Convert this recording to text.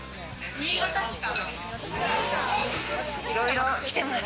新潟市かな。